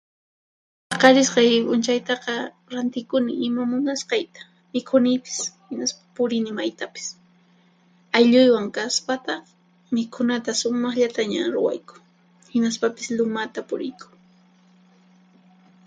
Paqarisqay p'unchaytaqa rantikuni ima munasqayta, mikhunipis hinaspa purini maytapis. Aylluywan kaspataq mikhunata sumaqllataña ruwayku, hinaspapis lumata puriyku.